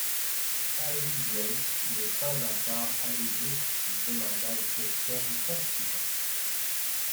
Harry Drake n’est pas encore arrivé ? me demanda le capitaine Corsican.